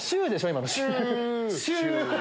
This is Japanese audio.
今の。